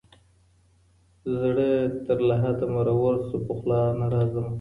زړه تر لحده مرور سو پخلا نه راځمه